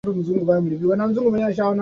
Mshumaa umeisha.